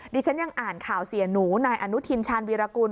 ดิฉันยังอ่านข่าวเสียหนูนายอนุทินชาญวีรกุล